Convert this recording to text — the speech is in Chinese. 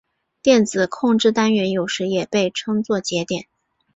电子控制单元有时也被称作节点。